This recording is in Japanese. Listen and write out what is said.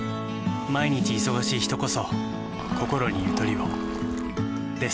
毎日忙しい人こそこころにゆとりをです。